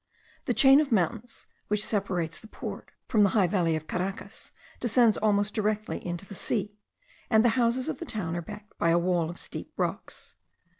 The chain of mountains which separates the port from the high valley of Caracas, descends almost directly into the sea; and the houses of the town are backed by a wall of steep rocks.